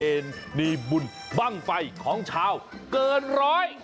เป็นดีบุญบั้งไฟของชาวเกินร้อย